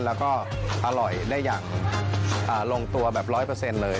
แล้วก็อร่อยได้อย่างลงตัวแบบ๑๐๐เลย